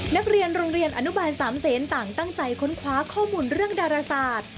นักเรียนโรงเรียนอนุบาลสามเซนต่างตั้งใจค้นคว้าข้อมูลเรื่องดาราศาสตร์